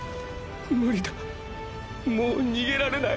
ムリだもう逃げられない。